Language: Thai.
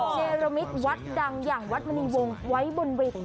เนรมิตวัดดังอย่างวัดมณีวงศ์ไว้บนเวที